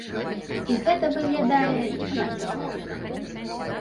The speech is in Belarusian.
І гэта выглядае не надта зграбна.